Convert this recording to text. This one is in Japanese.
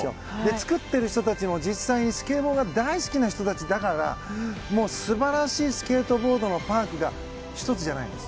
作ってる人たちも実際にスケボーが大好きな人たちだから素晴らしいスケートボードのパークが、１つじゃないです。